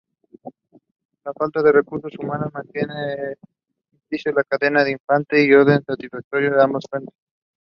La falta de recursos humanos y materiales impidió al Cardenal-Infante defender satisfactoriamente ambos frentes.